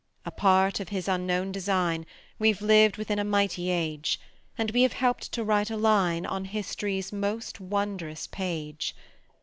A part of His unknown design, We've lived within a mighty age; And we have helped to write a line On history's most wondrous page.